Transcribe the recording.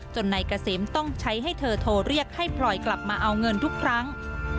นายเกษมต้องใช้ให้เธอโทรเรียกให้พลอยกลับมาเอาเงินทุกครั้ง